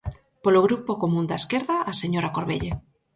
Polo Grupo Común da Esquerda, a señora Corvelle.